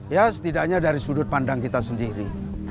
ya setidaknya dari sudut pandang kita sendiri